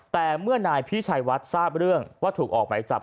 แต่เมื่อนายพี่ชัยวัดทราบเรื่องว่าถูกออกไหมจับ